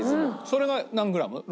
それが何グラム？